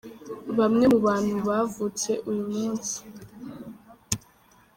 Bamwe mu bantu bavutse uyu munsi:.